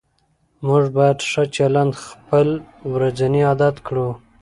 موږ باید ښه چلند خپل ورځنی عادت کړو